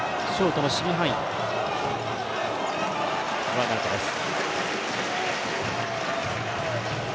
ワンアウトです。